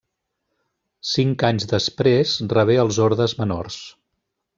Cinc anys després rebé els ordes menors.